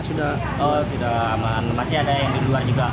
sudah aman masih ada yang di luar juga